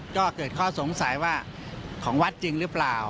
ก็เกิดข้อสงสัยว่าของวัดจริงหรือเปล่า